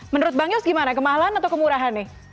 menurut bang yos gimana kemahalan atau kemurahan nih